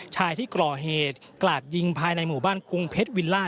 ชายที่ก่อเหตุกราดยิงภายในหมู่บ้านกรุงเพชรวิลล่า